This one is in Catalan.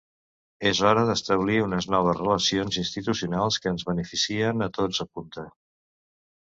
És hora d’establir una noves relacions institucionals que ens beneficien a tots, apunta.